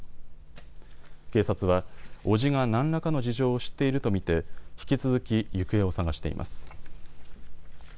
警察は伯父が何らかの事情を知っていると見て引き続き行方を捜しています。